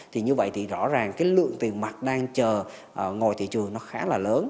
thì như vậy thì rõ ràng cái lượng tiền mặt đang chờ ngồi thị trường nó khá là lớn